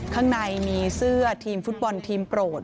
ข้างในมีเสื้อทีมฟุตบอลทีมโปรด